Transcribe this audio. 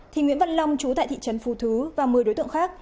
thì nguyễn văn long chú tại thị trấn phù thứ và một mươi đối tượng khác